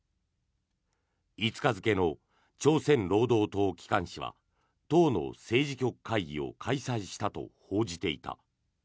５日付の朝鮮労働党機関紙は党の政治局会議を開催したと報じていた。